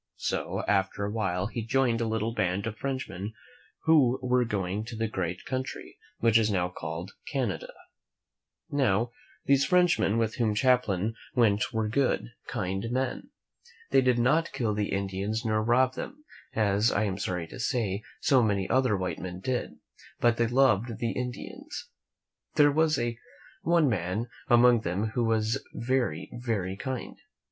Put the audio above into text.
So, after a while, he joined a little band of Frenchmen who were going to the great country which is now called Canada. Now, these Frenchmen with vvhom Champlain went were good, kind men. They did not kill the Indians nor rob them, as, I am sorry to say, so many other white men did, but they loved the Indians. There was one man among them who was very, very kind.